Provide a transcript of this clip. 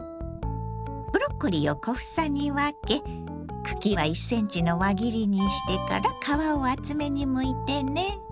ブロッコリーを小房に分け茎は１ｃｍの輪切りにしてから皮を厚めにむいてね。